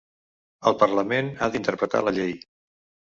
El parlament ha d’interpretar la llei.